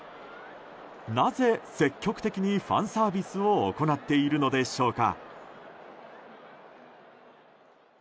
なぜ積極的にファンサービスを行っているのでしょうか。